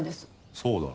そうだろ。